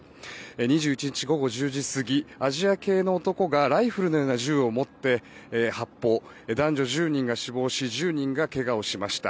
２１日午後１０時過ぎアジア系の男がライフルのような銃を持って発砲男女１０人が死亡し１０人が怪我をしました。